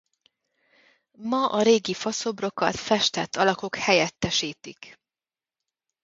Ma a régi faszobrokat festett alakok helyettesítik.